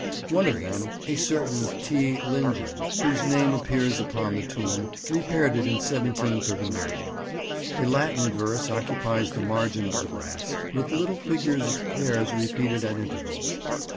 One of them, a certain "T. Lingen," whose name appears upon the tomb, repaired it in 1739. A Latin verse occupies the margin of the brass, with little figures of pears repeated at intervals.